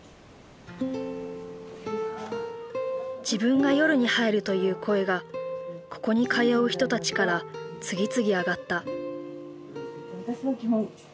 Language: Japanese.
「自分が夜に入る」という声がここに通う人たちから次々あがった。